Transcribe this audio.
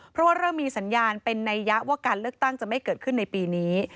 เพราะว่าเริ่มมีสัญญาณเป็นนัยยะว่าการเลือกตั้งจะไม่เกิดขึ้นในปีนี้